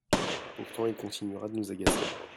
Pourtant il continuera de nous agacer.